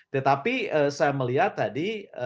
tetapi saya melihat tadi